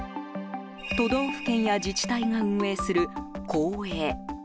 都道府県や自治体が運営する公営。